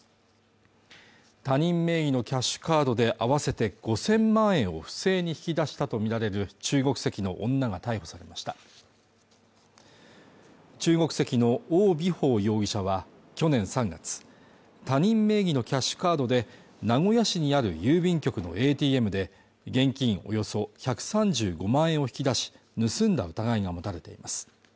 他人名義のキャッシュカードで合わせて５０００万円を不正に引き出したとみられる中国籍の女が逮捕されました中国籍の王美芳容疑者は去年３月他人名義のキャッシュカードで名古屋市にある郵便局のＡＴＭで現金およそ１３５万円を引き出し盗んだ疑いが持たれています